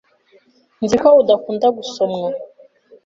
Nzi ko udakunda gusomwa.